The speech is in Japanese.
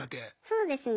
そうですね。